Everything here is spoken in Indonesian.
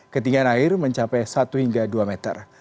ketinggian air mencapai satu hingga dua meter